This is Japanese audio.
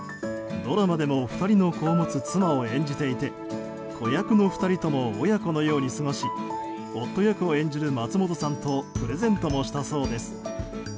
ドラマでも２人の子を持つ妻を演じていて子役の２人とも親子のように過ごし夫役を演じる松本さんとプレゼントもしたそうです。